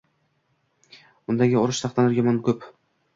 Undagi urush sahnalari yomon ko’p.